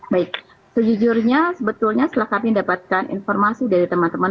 baik sejujurnya sebetulnya setelah kami dapatkan informasi dari teman teman